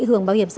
hưởng chế độ này